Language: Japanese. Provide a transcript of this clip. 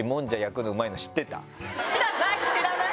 知らない知らない。